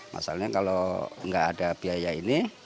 masalahnya kalau nggak ada biaya ini